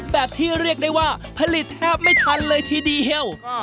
แบบที่เรียกได้ว่าผลิตแทบไม่ทันเลยทีเดียว